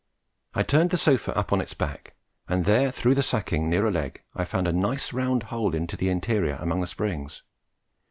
I turned the sofa up on its back, and there through the sacking near a leg I found a nice round hole into the interior among the springs.